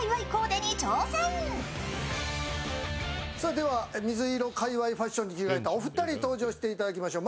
では水色界わいファッションに着替えたお二人に登場していただきましょう。